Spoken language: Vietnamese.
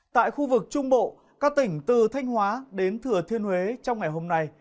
tại khu vực trung bộ các tỉnh từ thanh hóa đến thừa thiên huế trong ngày hôm nay